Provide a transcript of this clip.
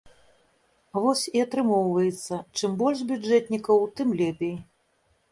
Вось і атрымоўваецца, чым больш бюджэтнікаў, тым лепей.